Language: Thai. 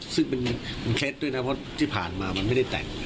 ซึ่งเป็นเคล็ดด้วยนะเพราะที่ผ่านมามันไม่ได้แต่ง